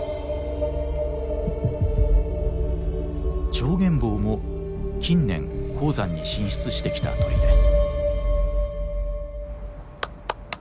チョウゲンボウも近年高山に進出してきた鳥です。